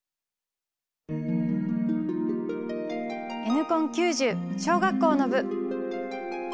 Ｎコン９０小学校の部。